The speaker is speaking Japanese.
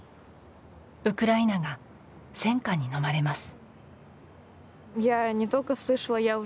ウクライナが戦火にのまれます。